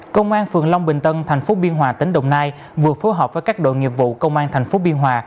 công an phường long bình tân thành phố biên hòa tỉnh đồng nai vừa phối hợp với các đội nghiệp vụ công an thành phố biên hòa